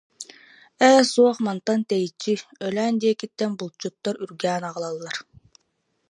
Ээ, суох, мантан тэйиччи, Өлөөн диэкиттэн булчуттар үргээн аҕалаллар